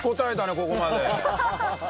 ここまで。